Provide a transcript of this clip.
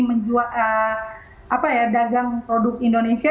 kenapa saya di sini dagang produk indonesia